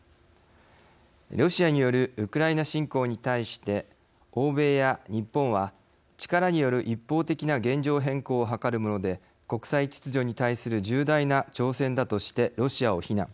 ロシアによるウクライナ侵攻に対して欧米や日本は力による一方的な現状変更をはかるもので国際秩序に対する重大な挑戦だとしてロシアを非難。